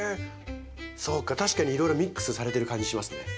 そうか確かにいろいろミックスされてる感じしますね。